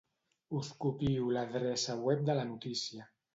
Us copio l'adreça web de la notícia.